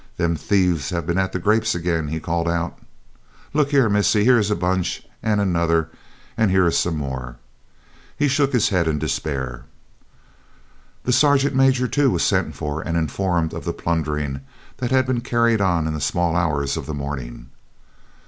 "Them thieves have been at the grapes again," he called out. "Look here, missis, here is a bunch and another, and here is some more." He shook his head in despair. The sergeant major too was sent for and informed of the plundering that had been carried on in the small hours of the morning.